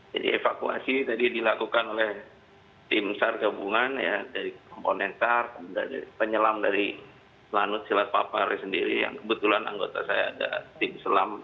jadi evakuasi tadi dilakukan oleh tim sar gabungan ya dari komponen sar penyelam dari lanut silat papar sendiri yang kebetulan anggota saya ada tim selam